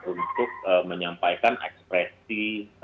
untuk menyampaikan ekspresi